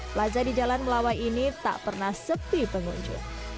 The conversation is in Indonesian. plaza di jalan melawai ini tak pernah sepi pengunjung